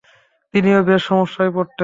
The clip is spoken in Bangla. তিনি ও বেশ সমস্যায় পড়তেন।